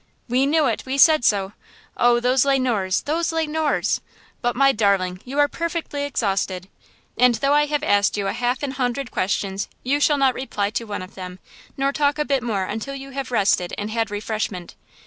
"We knew it! We said so! Oh, those Le Noirs! Those Le Noirs! But, my darling, you are perfectly exhausted, and though I have asked you a half an hundred questions you shall not reply to one of them, nor talk a bit more until you have rested and had refreshment.